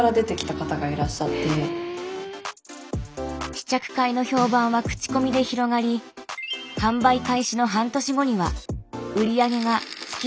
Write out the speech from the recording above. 試着会の評判は口コミで広がり販売開始の半年後には売上が月１０００万円に到達。